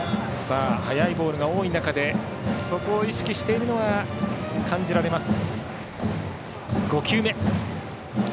速いボールが多い中でそこを意識しているのは感じられます。